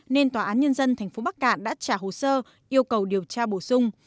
nên tòa án nhân dân tp bắc cạn đã trả hồ sơ yêu cầu điều tra bổ sung